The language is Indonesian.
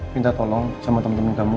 minta tolong sama teman teman kamu